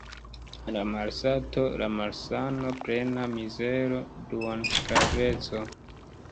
La malsato, la malsano, plena mizero, duonsklaveco.